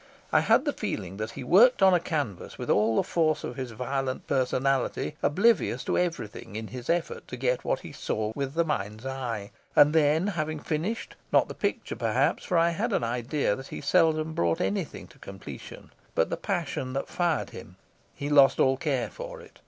I had the feeling that he worked on a canvas with all the force of his violent personality, oblivious of everything in his effort to get what he saw with the mind's eye; and then, having finished, not the picture perhaps, for I had an idea that he seldom brought anything to completion, but the passion that fired him, he lost all care for it.